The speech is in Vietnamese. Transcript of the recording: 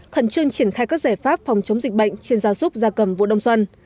khẩn trương triển khai các giải pháp phòng chống dịch bệnh trên gia súc gia cầm vụ đông xuân